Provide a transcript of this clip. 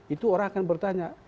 itu orang akan bertanya